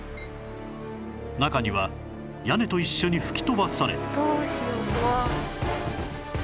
中には屋根と一緒に吹き飛ばされ